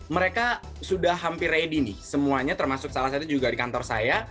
mereka sudah hampir ready nih semuanya termasuk salah satu juga di kantor saya